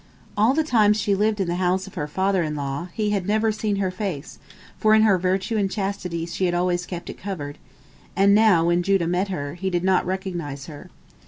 All the time she lived in the house of her father in law, he had never seen her face, for in her virtue and chastity she had always kept it covered, and now when Judah met her, he did not recognize her.